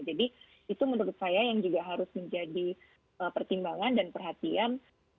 jadi itu menurut saya yang juga harus menjadi pertimbangan dan perhatian